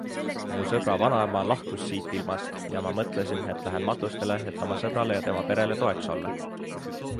Mu sõbra vanaema lahkus siitilmast ja ma mõtlesin, et lähen matustele, et oma sõbrale ja tema perele toeks olla.